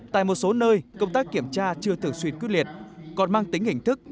tại một số nơi công tác kiểm tra chưa thường xuyên quyết liệt còn mang tính hình thức